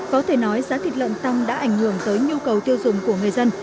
có thể nói giá thịt lợn tăng đã ảnh hưởng tới nhu cầu tiêu dùng của người dân